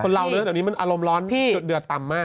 แต่วันนี้มันอารมณ์ร้อนเดือดต่ำมาก